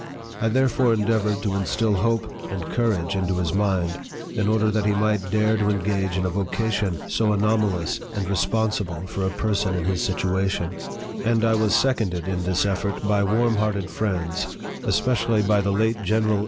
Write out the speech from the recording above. I therefore endeavored to instil hope and courage into his mind, in order that he might dare to engage in a vocation so anomalous and responsible for a person in his situation; and I was seconded in this effort by warm hearted friends, especially by the late General Vl PREFACE.